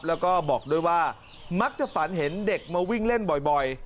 แล้วก็บอกด้วยว่ามักจะฝันเห็นเด็กมาวิ่งเล่นบ่อย